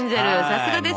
さすがです。